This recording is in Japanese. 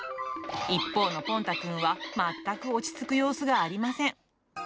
一方のぽん太くんは、全く落ち着く様子がありません。